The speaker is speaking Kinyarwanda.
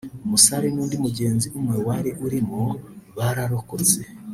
umusare n’undi mugenzi umwe wari urimo bararokotse